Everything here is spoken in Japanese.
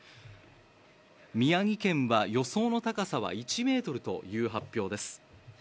宮城県は予想の高さは１ｍという発表です。